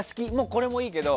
これもいいけど。